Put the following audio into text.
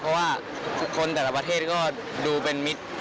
เพราะว่าคนแต่ละประเทศก็ดูเป็นมิตร